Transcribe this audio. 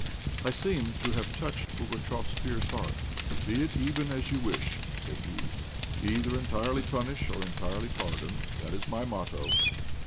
I seemed to have touched Pugatchéf's fierce heart. "Be it even as you wish," said he. "Either entirely punish or entirely pardon; that is my motto.